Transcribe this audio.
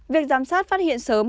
việc giám sát phát hiện sớm